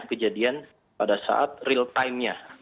kejadian pada saat real time nya